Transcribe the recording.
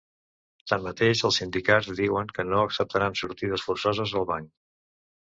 Tanmateix, els sindicats diuen que no acceptaran sortides forçoses al banc.